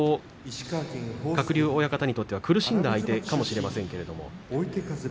鶴竜親方にとっては苦しんだ相手かもしれませんが。